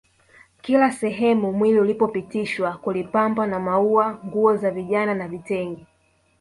Kila sehemu mwili ulipopitishwa kulipambwa na maua nguo za vijana na vitenge